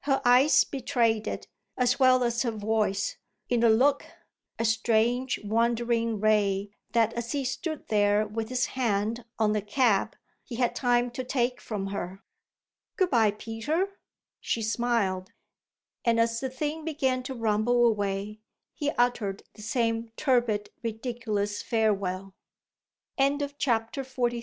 Her eyes betrayed it, as well as her voice, in a look, a strange, wandering ray that as he stood there with his hand on the cab he had time to take from her. "Good bye, Peter," she smiled; and as the thing began to rumble away he uttered the same tepid, ridiculous farewell. XLIV At the entrance of Miriam and her mo